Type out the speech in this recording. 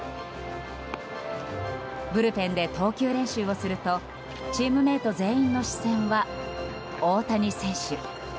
ブルペンで投球練習をするとチームメート全員の視線は大谷選手。